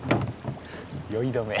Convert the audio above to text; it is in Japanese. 酔い止め。